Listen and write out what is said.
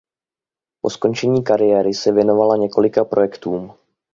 Po skončení kariéry se věnovala několika projektům.